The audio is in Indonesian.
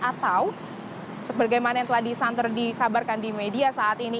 itu seperti yang telah disantar dikabarkan di media saat ini